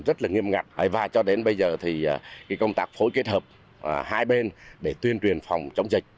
rất là nghiêm ngặt và cho đến bây giờ thì công tác phối kết hợp hai bên để tuyên truyền phòng chống dịch